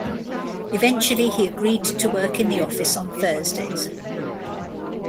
Eventually, he agreed to work in the office on Thursdays.